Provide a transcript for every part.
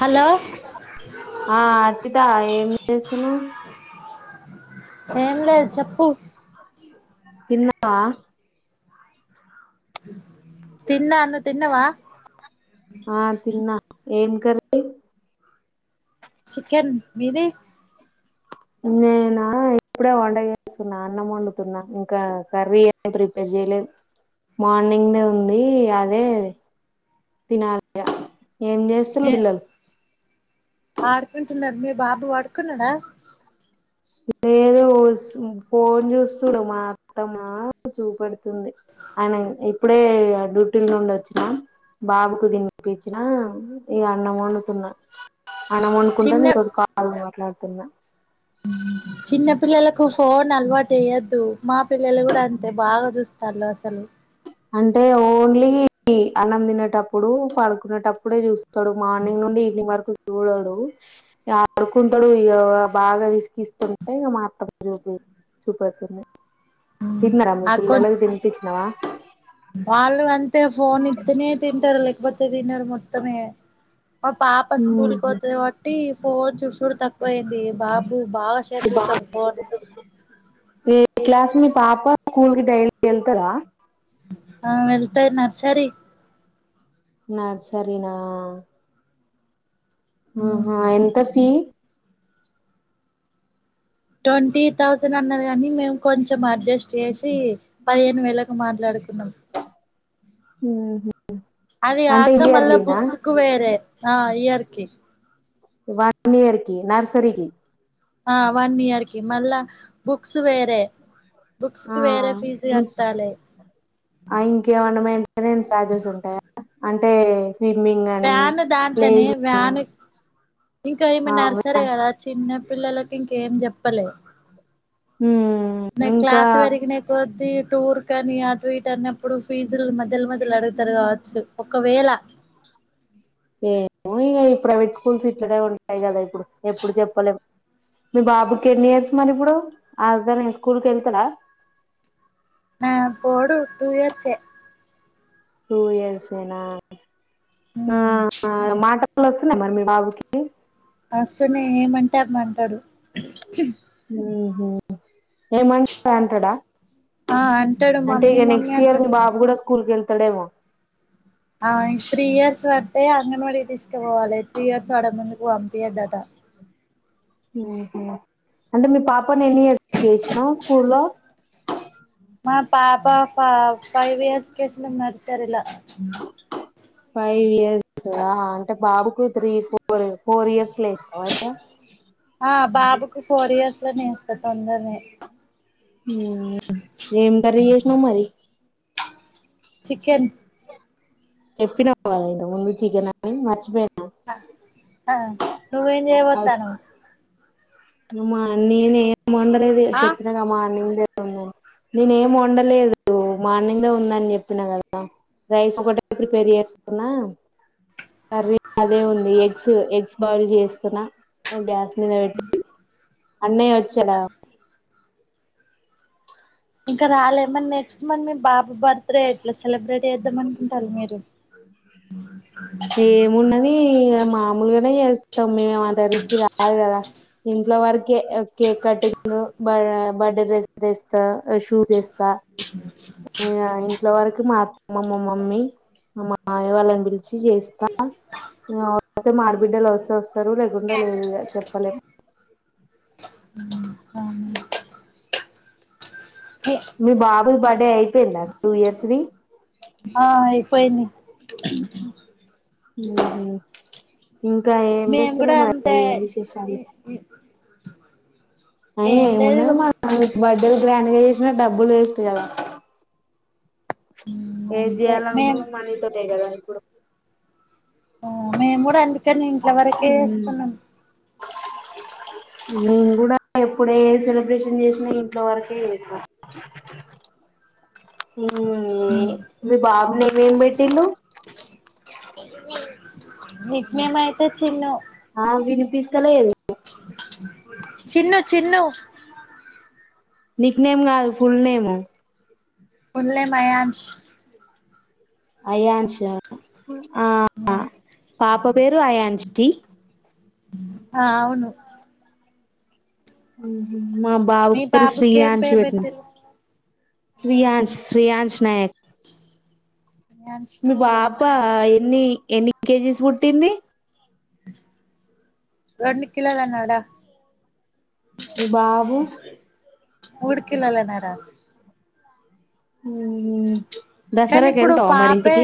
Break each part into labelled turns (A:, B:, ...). A: hello
B: ఆ అర్చిత ఏం చేస్తున్నావ్
A: ఏం లేదు చెప్పు
B: తిన్నావా
A: తిన్న నువ్వు తిన్నవా
B: ఆ తిన్నా ఏం కర్రి
A: చికెన్ మీది
B: నేనా ఇప్పుడే వంట చేస్తున్నా అన్నం వండుతున్నా ఇంకా కర్రీ ఏం ప్రిపేర్ చేయలేదు మార్నింగ్ దే ఉంది అదే తినాలే ఇగ ఏం జేస్తులు
A: ఏ
B: పిల్లలు
A: ఆడుకుంటున్నారు మీ బాబు పడుకున్నాడ
B: లేదు ఉస్ ఫోన్ చూస్తురు మా అత్తమా చూపెడు తుంది ఆయన ఇప్పుడే డ్యూటీ నుండి ఒచ్చినా బాబుకు దినిపిచ్చినా ఇగ అన్నం ఒడుతున్న అన్నం అనుకుంటా
A: చిన్న
B: నీతోటి కాల్ మాట్లాడుతున్నా
A: చిన్న పిల్లలకులకు ఫోన్ అల్వాట్ తెయ్యొద్దు మా పిల్లలు గూడా అంతే బాగా జూస్తళ్లు సెల్
B: అంటే ఓన్లీ అన్నం తినేటప్పుడు పడుకునేటప్పుడే చూస్ తను మార్నింగ్ నుండి ఈవినింగ్ వరకు చూడడు ఆడుకుంటాడు ఇగ బాగా విసిగిస్తుంటే ఇక మా అత్త చూ చూపెడుతుంది తిన్నరా మీ
A: ఆ కొ
B: పిల్లలు తి నిపిచ్చినవా
A: వాళ్ళు అంతే ఫోన్ ఇతనే తింటారు లేకపోతే తినరు మొత్తమే మా పాప స్కూల్కి పోతది కావట్టి ఫోన్ చూసుడు తక్కువయింది బా బు బాగా షేపు జూతడు ఫోను
B: ఏ క్లాస్ మీ పాప స్కూల్ కి డైలీ ఎళ్తద
A: ఆ వెళ్తది నర్సరి
B: నర్సరినా ఉహూ ఎంత ఫీ
A: ట్వంటీ థౌసండ్ అన్నాది కానీ మేము కొంచెం అడ్జస్ట్ చేసి పదిహేను వేలకు మాట్లాడి కున్నం
B: ఉహూ
A: అది కాక మళ్ళ బుక్సుకు వేరే ఆ ఇయర్ లి
B: వన్ ఇయర్కి నర్సరికి
A: ఆ వన్ ఇయర్ కి మళ్ళా బుక్స్ వేరే బుక్స్
B: ఆ
A: కి వేరే ఫీస్ కట్టలే
B: మెంటానేన్స్ చార్జెస్ ఉంటాయా అంటే స్విమ్మింగ్ అని
A: వ్యాన్ దాంట్లనే
B: ప్లేయింగ్ అని
A: వ్యాన్ ఇంకా ఈమె
B: ఆ
A: నర్సరే గదా చిన్న పిల్లలకి ఇంక ఏం చెప్పలే
B: ఉమ్
A: ఈమె
B: ఇంకా
A: క్లాస్ పెరిగిన కొద్ది టూర్ కాని అటు ఇటు అన్నప్పుడు ఫీజులు మధ్యల మధ్యల అడుగుతారు గావచ్చు ఒకవేళ
B: [inaudible] ఏమో ఇగ ఈ ప్రైవేట్ స్కూల్స్ ఇట్లానే ఉంటాయి కదా ఇప్పుడు ఎప్పుడు చెప్పలేం మీ బాబుకి ఎన్ని ఇయర్స్ మరి ఇప్పుడు అదన్ని స్కూలుకెళ్తాడా
A: ఆ పోడు టూ ఇయర్సే
B: టూ ఇయర్సెనా ఆ అ మాట లు ఒస్తున్నయ మరి మీ బాబుకి
A: అస్తున్నయ్ ఏమంటే అది అంటాడు
B: ఉహూ ఏమంటే అది అంటాడా
A: ఆ అంటాడు
B: అంటే
A: మమ్మీ
B: ఇగ
A: మమ్మీ
B: నెక్స్ట్
A: అని
B: ఇయర్ మీ
A: పిలుస్తా
B: బాబు కూడా స్కూల్ కెల్ పోడేమో
A: ఆ త్రీ ఇయర్స్ వడితే అంగన వాడి తీసుకుపోవాలి త్రీ ఇయర్స్ వడక ముందు పంపియాదట
B: ఉహు అంటే మీ పాపని ఎన్ ఇయర్స్ ఎషినవ్ స్కూలో
A: మా పాప ఫ ఫైవ్ ఇయర్స్ కేసినం నర్సరిలా
B: ఫైవ్ ఇయర్సా ఆ అంటే బాబు కూతురు ఫోర్ త్రీ ఫోర్ ఇయర్స్ ల ఇస్తావా
A: ఆ బాబుకు ఫోర్ ఇయర్స్ ల ఏస్తా తొందరనే
B: ఉమ్ ఎమ్ కర్రీ చేసినావు మరి
A: చికెన్
B: చెప్పినవా ఇంతకు ముందు చికెన్ అని మర్చిపోయి
A: నువ్వేం చేయపోత్తానవ్
B: అమ్మా నేను ఏం ఒండలేదు
A: ఆ
B: చెప్పినగా మార్నింగ్ దే ఒండినవ నేనేం వండలేదు మార్నింగ్ దే ఉందని చెప్పిన కదా రైస్ ఒకటే ప్రిపేర్ చేసుకున్నా కర్రీ అదే ఉంది ఎగ్స్ ఎగ్స్ బాయిల్ చేస్తున్నా గ్యాస్ మీద పెట్టి అన్నయ వచ్చాడా
A: ఇంకా రాలే మరి నెక్స్ట్ మంత్ మీ బాబు బర్త్ డే ఎట్లా సెలబ్రేట్ చేద్దాం అనుకుంటారు మీరు మ
B: ఏమున్నదీ ఇగ మామూలుగానే చేస్తాం మే అంత రిచ్ కాదు కదా ఇంట్లో వరకు కే కేక్ కటింగు బ బర్డే డ్రెస్ వేస్తా షూస్ వేస్తా ఇగ ఇంట్లో వరకు మా అత్ మా మా మమ్మీ మా మావయ్య వాళ్ళని పిల్ ఛి చేస్తా ఇగ వస్తే మా ఆడబిడ్డలు వస్తే వస్తారు లేకుంటే లేదు ఇగ చెప్పలేం
A: [unintelligible]
B: మీ బాబుది బర్త్డే అయిపోయిందా టూ ఇయర్స్ ది
A: పోయింది
B: ఊహు ఇంకా ఏం
A: మేము
B: చేస్తులు
A: కూడా
B: మరి
A: అంతే
B: ఏం విశేషాలు ఆ ఏం
A: లేదు ఇగ
B: ఉన్నది మన బడ్డేలు గ్రాండ్ గా చేసినా డబ్బులు వేస్ట్ కదా ఏది
A: అంతే మేం
B: చేయాలనుకున్నా మనీ తోటే కదా ఇప్పుడు
A: మేం కూడా అందుకని ఇంట్ల వరకే
B: ఉమ్
A: చేసుకున్నాం
B: నేను కూడా ఎప్పుడు ఏ సెలబ్రేషన్ చేసినా ఇంట్లో వరకే చేస్ [inaudible] హూం ఏ మీ బాబు నేం పెట్టిల్లు
A: నిక్ నేం అయితే చిన్ను
B: ఆ వినిపిస్తలేదు
A: చిన్ను చిన్ను
B: నిక్ నేమ్ కాదు full name
A: full name Ayansh
B: Ayansh ఆ పాప పేరు అయాన్షి
A: ఆ అవును
B: ఉహు మా బాబు
A: మీ
B: పేరు
A: బాబుకి ఏం
B: శ్రీయాన్శ్
A: పేరు
B: పెట్నం
A: పెట్టిర్రు
B: శ్రీయాంష్ శ్రీయాంష్ నాయక్
A: అయాన్ష్
B: మీ పాప
A: నాయక్
B: ఎన్ని ఎన్ని కేజీస్ పుట్టింది
A: రెండు కిలోలన్నర
B: మీ బాబు
A: మూడు కిలోల నర
B: ఊఉ దసరాకి ఎల్తావ మరి ఇంటికి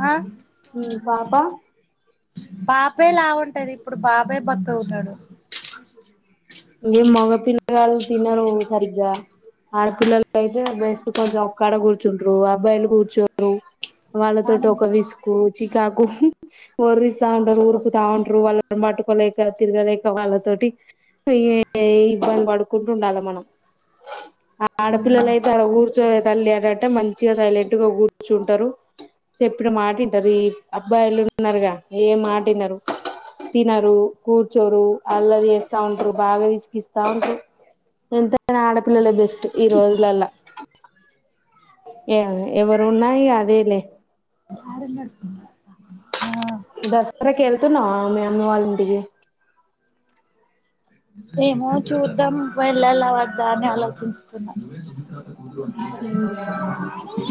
A: అ
B: ఉమ్ పాప
A: పాపే లావుంటది ఇప్పుడు బాబే బక్కగ ఉన్నడు
B: ఏం మగ పిల్లగాల్లు తినరు సరిగ్గా ఆడపిల్లలు అయితే బెస్ట్ కొంచెం ఒక్కాడ కూర్చుంటరు అబ్బాయిలు కూర్చోరు వాళ్ళతోటి
A: నానమ్మ
B: ఒక విసుకు చికాకు వర్రిస్తా ఉంటరు ఉరుకుతా ఉంటరు వాళ్ళను పట్టుకోలేక తిరుగలేక వాళ్ళతో టి ఈ ఇబ్బంది పడుకుంటు ఉండాలి మనం ఆ ఆడపిల్లలయితే ఆడ కూర్చ ర్చోవే తల్లి అని అంటే మంచిగా సైలెంట్ గా కూర్చుంటరు చెప్పిన మాట ఇంటరు ఈ అబ్బా అబ్బయిలు ఉన్నారుగా ఏ మాట ఇనరు తినరు కూర్చోరు అల్లారీ చేస్తా ఉంట టరు బాగా విసుకిస్తా ఉంటారు ఎంతైనా ఆడపిల్లలే బెస్ట్ ఈ రోజులలా ఏ ఎవరు ఉన్నాయి అదేలే
A: [inaudible]
B: దసరా కేళ్తున్నా మీ అమ్మ వాళ్ళంటికి
A: ఏమో చూద్దాం వెళ్ళాలా వద్దా అని ఆలోచిన్తున్న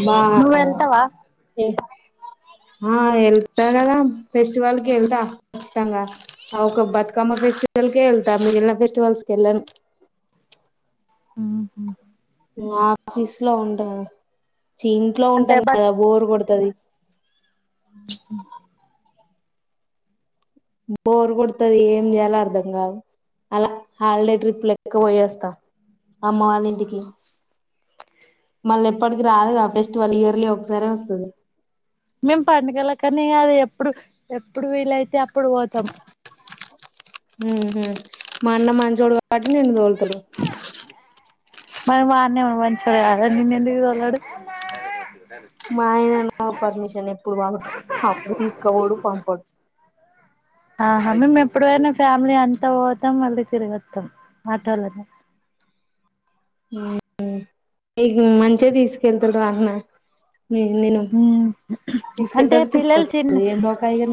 B: బా
A: నువ్ వెల్తవ
B: ఆ వెళ్తా కదా ఫెస్టివల్ కి వెళ్తా ఖచ్చితంగా ఒక బతుకమ్మ ఫెస్టివ కే వెళ్తా మిగిలిన ఫెస్టివల్స్కి వెళ్ళను
A: హ్మ్ హు
B: ఆఫీస్ లో ఉంటాంది ఇంట్లో
A: అంటే
B: ఉంటాం కదా బోర్ కొడుతు టది
A: హ్మ్ హు
B: బోర్ కొడుతది ఏం చేయాల అర్ధం కాదు అలా హాలిడే ట్రిప్ లెక్క పోయేస్తా అమ్మ వాళ్ళ ఇంటికి మళ్ళీ ఎప్పటికి రాదుగా ఫెస్టివల్ ఇయర్లీ ఒకసారి వస్తాది
A: మేం పడుగల కానీ అది ఎప్పుడు ఎప్పుడు వీలయితే అప్పుడు పోతాం
B: ఊహూ మా అన్న మంచోడు కాబట్టి నిన్ను దోలుతడు
A: మరి మా అన్న ఏమో మంచోడు కాదా నిన్ను ఎందుకు దోలడు
B: మా ఆయన నా పర్మిషన్ ఎప్పుడు [unintelligible] అప్పుడు తీసుకపోడు పంపడు
A: ఆహా మేము ఎప్పుడైనా ఫ్యామిలీ అంత పోతాం మళ్ళీ తిరగొత్తాం ఆటోలనే
B: మీకు మంచిగా తీసుకెళ్తారు అన్న నేను
A: అంటే
B: తీసుకెళ్తాడు
A: పిల్లలు చిన్న
B: తీసుకొస్తాడు ఏం బకాయి ఇగ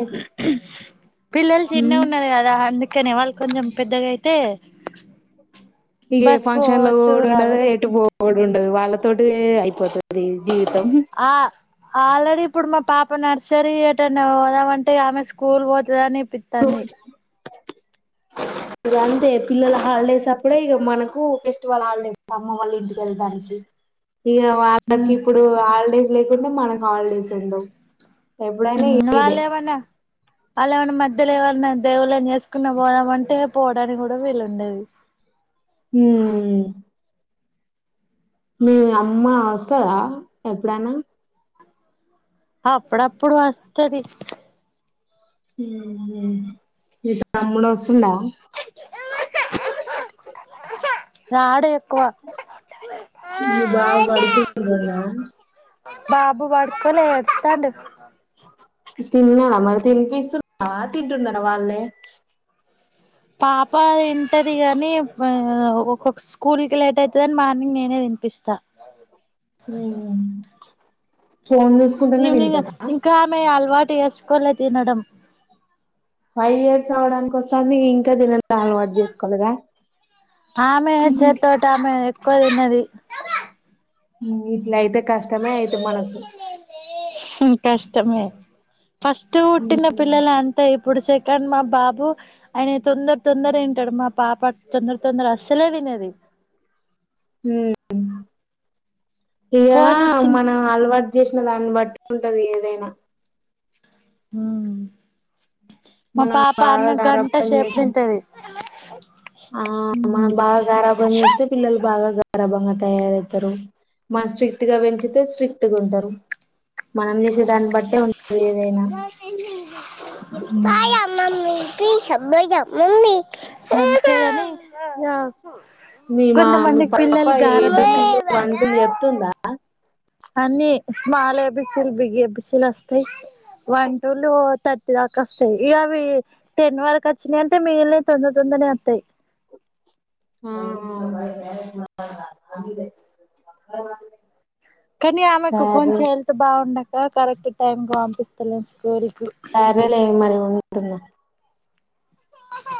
A: పిల్లలు చిన్నగ
B: నీకు
A: ఉన్నారు కదా అందుకనే వాళ్ళు కొంచెం పెద్దగా అయితే
B: ఇక ఏ
A: బస్కు
B: ఫంక్షన్లు
A: పోవచ్చు
B: కూడా ఉండదుగా
A: రావచ్చు
B: ఎటు పోవు డు వాళ్ళతోటే అయిపోతది జీవితం
A: ఆ ఆల్రెడీ ఇప్పుడు మా పాప నర్సరీ ఎటన్నా పోదామంటే ఆమె స్కూల్ పోతదని పిత్తాంది
B: ఇక అంతే పిల్లల హాలిడేస్ అప్పుడే ఇక మనకు ఫెస్టివల్ హాలిడేస్ అమ్మ వాళ్ళ ఇంటికి వెళ్తానికి ఇక వాళ్ళకి ఇప్పుడు హాలిడేస్ లేకుండా మనకు హాలిడేస్ ఉండవు ఎప్పుడైనా ఇదే
A: వాళ్ళు ఏమన్నా వాళ్ళు ఏమైన్నా మధ్యలో ఏవన్నా దేవుళ్ళని చేసుకున్న పోదామ అంటే పోవడానికి కూడా వీలు ఉండదు
B: హ్మ్ మీ అమ్మ వస్తదా ఎప్పుడైనా
A: అప్పుడప్పుడు వస్తది
B: ఊహూ మీ తమ్ముడు వస్తుండా
A: రాడు ఎక్కువ
B: మీ బావ పడుకుంటుండా
A: బాబు పడుకోలే ఏడుత్తాండు
B: తిన్నారా మరి తినిపిస్సున్నవా తింటున్నారా వాళ్ళే
A: పాప తింటది గాని [unintelligible] ఒకొక్ స్కూల్ కి లేట్ అయితదని మార్నింగ్ నేనే తి నిపిస్తా అయిందా
B: ఫోన్ చూసుకుంటేనే
A: ఈవినింగ్
B: తింటదా
A: ఇంకా ఆమె అలవాటు చేసుకోలే తినడం
B: ఫైవ్ ఇయర్స్ అవడానికి వస్సాంది ఇంకా తిన డం అలవాటు చేసుకోలేదా
A: ఆమె
B: ఉహు
A: చేత్తోటి ఆమె ఎక్కువ తిన్నది
B: మ్మ్ ఇట్లా అయితే కష్టమే అయితే మనకు
A: మ ఫస్ట్ హుట్టిిన పిల్లలు అంతా ఇ ఇప్పుడు సెకండ్ మా బాబు ఆయన తొందర తొందర వింటాడు మా పాప తొందర తొందర అస్సలే వి అది
B: ఇ
A: ఫోన్ ఇచ్చిన
B: మన హల్వాార్ చేసిన దాన్ని బట్టి ఉంటది ఏదైనా
A: ఆ
B: మన బాగా గారబ్బని
A: సేపు
B: చేస్తే
A: తింటది
B: ఆ మనం బాగా గారా పని చేస్తే పిల్లలు బాగా గ సరాభంగా తయారవుతారు మన స్ట్రిక్ట్ గా పెంచితే స్ట్రిక్ట్గా ఉంటారు మనం చేసే దాన్ని బట్టే ఉ
A: బాయ మమ్మీ పషా మమ్మీ
B: మీ మా మీ
A: కొంతమందికి
B: పాప
A: పిల్లలు గారలే
B: ఏబిసిలు వన్ టూ చెప్తుందా
A: అన్ని స్మాల్ ఎబిసలు బిగ్ ఎబిసీలు వస్తాయి వన్ టూలు థర్టీ వస్తాయి ఇకవి టెన్ వరకు వచ్చినాయియంటే మిగిల్ని తొంద తొందనే వస్తాయి కానీ ఆమెకు
B: సరే
A: కొంచెం హెల్త్ బాగుండక కరెక్ట్ టైం కు పంపిస్తలే
B: సరేలే మరి ఉంటున్నా